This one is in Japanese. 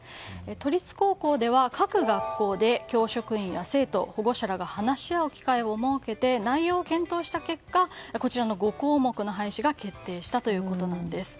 都立高校では各学校で教職員や生徒保護者らが話し合う機会を設けて内容を検討した結果こちらの５項目の廃止が決定したということです。